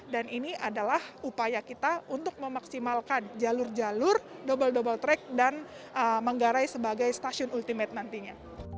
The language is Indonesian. dan ini adalah upaya kita untuk memaksimalkan jalur jalur double double track dan manggarai sebagai stasiun ultimate nantinya